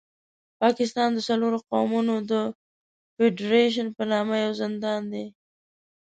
پاکستان د څلورو قومونو د فېډرېشن په نامه یو زندان دی.